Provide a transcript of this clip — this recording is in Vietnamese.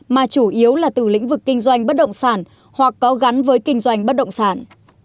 mà chủ yếu là từ lĩnh vực kinh doanh bất động sản hoặc có gắn với kinh doanh bất động sản